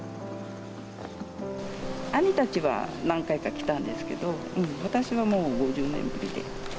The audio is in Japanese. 兄たちは何回か来たんですけど、私はもう５０年ぶりで。